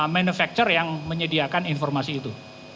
manufacture yang menyediakan informasi itu